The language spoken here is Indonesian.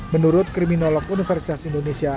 menurut kriminolog universitas indonesia